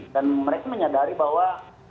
dan mereka menyadari bahwa